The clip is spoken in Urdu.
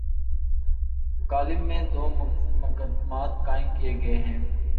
کالم میں دومقدمات قائم کیے گئے ہیں۔